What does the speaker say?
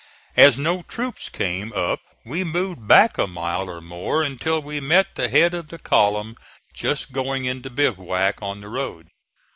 As no troops came up we moved back a mile or more until we met the head of the column just going into bivouac on the road.